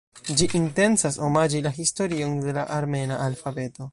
Ĝi intencas omaĝi la historion de la armena alfabeto.